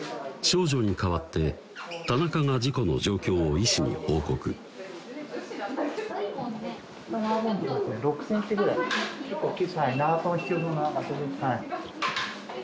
少女に代わって田中が事故の状況を医師に報告結構大きいですね